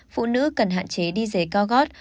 phụ nữ cần hạn chế đi dế cao gót